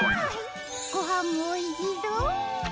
ごはんもおいしそう！